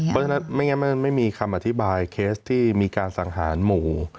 เพราะฉะนั้นไม่มีคำอธิบายเคสที่มีการสังหารหมู่